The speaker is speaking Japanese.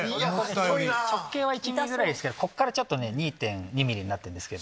直径は１ｍｍぐらいですけどここからちょっとね２．２ｍｍになってるんですけど。